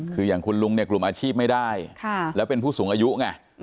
คืออย่างคุณลุงเนี่ยกลุ่มอาชีพไม่ได้แล้วเป็นผู้สูงอายุไง